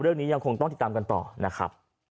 ยังคงต้องติดตามกันต่อนะครับ